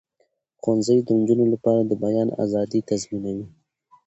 ښوونځي د نجونو لپاره د بیان آزادي تضمینوي.